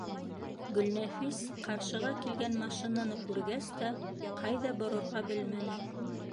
Гөлнәфис ҡаршыға килгән машинаны күргәс тә ҡайҙа борорға белмәне.